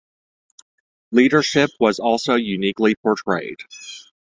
Leadership was also uniquely portrayed.